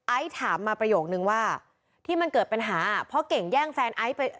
ถามมาประโยคนึงว่าที่มันเกิดปัญหาเพราะเก่งแย่งแฟนไอซ์ไป